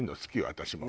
私も。